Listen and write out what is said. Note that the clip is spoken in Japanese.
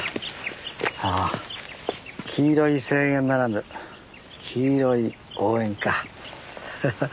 ああ黄色い声援ならぬ黄色い応援か。